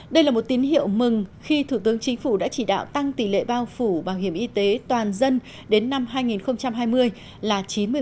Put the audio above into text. đây là một tín hiệu mừng khi thủ tướng chính phủ đã chỉ đạo tăng tỷ lệ bao phủ bảo hiểm y tế toàn dân đến năm hai nghìn hai mươi là chín mươi